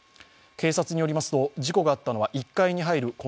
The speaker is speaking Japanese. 警察によりますと、事故があったのは１階に入る